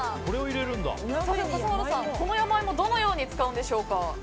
笠原さん、この山芋どのように使うんでしょうか。